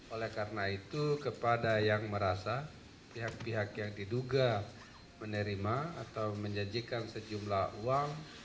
oleh karena itu kepada yang merasa pihak pihak yang diduga menerima atau menjanjikan sejumlah uang